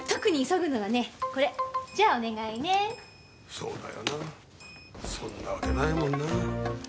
そうだよなそんなわけないもんな。